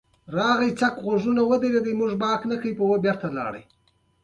کانديد اکاډميسن عطایي د خپل ادب له لارې خوږ پیغام رسولی دی.